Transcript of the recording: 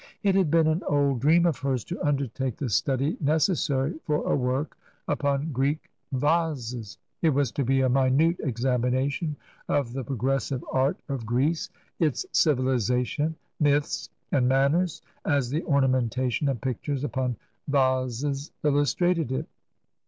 It had been an old dream of hers to undertake the study necessary for a work upon Greek vases ; it was to be a minute examination of the progressive art of Greece, its civilization, myths, and manners, as the ornamentation and pictures upon vases illustrated it.